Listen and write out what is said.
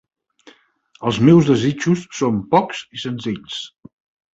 Els meus desitjos són pocs i senzills.